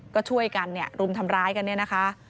ก็ช่วยกันเนี่ยรุมทำร้ายกันเนี่ยนะคะ